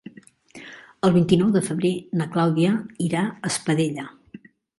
El vint-i-nou de febrer na Clàudia irà a Espadella.